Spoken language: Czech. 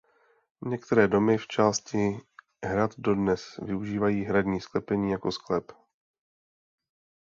Některé domy v části hrad dodnes využívají hradní sklepení jako sklep.